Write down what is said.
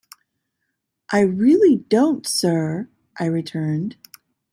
"I really don't, sir," I returned.